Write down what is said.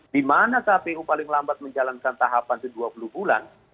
di mana kpu paling lambat menjalankan tahapan itu dua puluh bulan